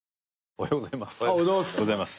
おはようございます。